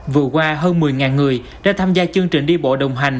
vừa qua hơn một mươi người đã tham gia chương trình đi bộ đồng hành